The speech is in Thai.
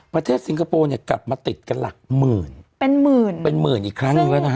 สิงคโปร์เนี่ยกลับมาติดกันหลักหมื่นเป็นหมื่นเป็นหมื่นอีกครั้งหนึ่งแล้วนะ